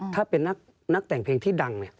ถ้าเป็นนักแต่งเพลงที่ดัง